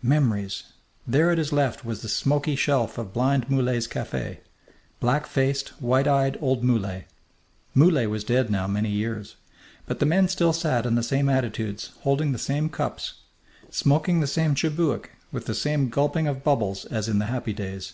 Memories! There at his left was the smoky shelf of blind Moulay's café black faced, white eyed old Moulay. Moulay was dead now many years, but the men still sat in the same attitudes, holding the same cups, smoking the same chibouk with the same gulping of bubbles as in the happy days.